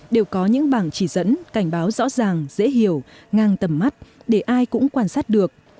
đều có những bảng chỉ dẫn cảnh báo rõ ràng dễ hiểu ngang tầm mắt để ai cũng quan sát được